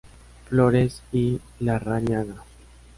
Flores y Larrañaga.